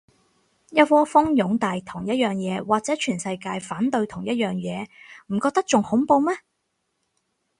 一窩蜂擁戴同一樣嘢，或者全世界反對同一樣嘢，唔覺得仲恐怖咩